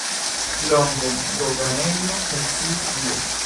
Longe doganejo funkciis tie.